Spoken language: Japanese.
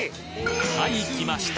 はいきました！